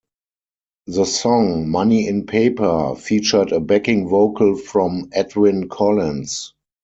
The song 'Money In Paper' featured a backing vocal from Edwyn Collins.